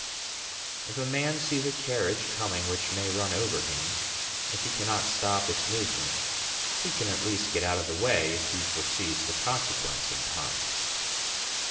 If a man sees a carriage coming which may run over him, if he cannot stop its movement, he can at least get out of the way if he foresees the consequence in time.